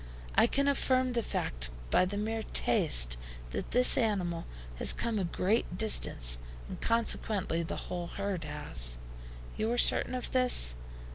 I can affirm the fact by the mere taste, that this animal has come a great distance, and consequently the whole herd has." "You are certain of this?"